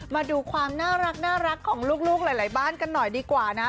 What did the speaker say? มาดูความน่ารักของลูกหลายบ้านกันหน่อยดีกว่านะ